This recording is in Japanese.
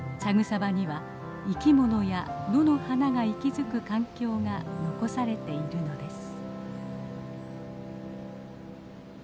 草場には生きものや野の花が息づく環境が残されているのです。